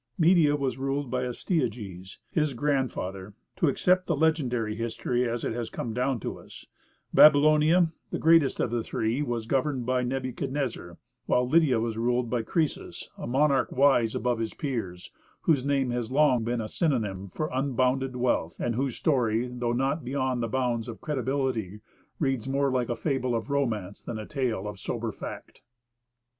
Media was ruled by Astyages, his grandfather to accept the legendary history as it has come down to us; Babylonia the greatest of the three was governed by Nebuchadnezzar, while Lydia was ruled by Croesus, a monarch wise above his peers, whose name has long been a synonym for unbounded wealth, and whose story, though not beyond the bounds of credibility, reads more like a fable of romance than a tale of sober fact.